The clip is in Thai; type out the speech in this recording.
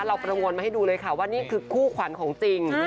ประมวลมาให้ดูเลยค่ะว่านี่คือคู่ขวัญของจริง